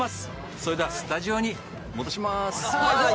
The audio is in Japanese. それでは、スタジオに戻します。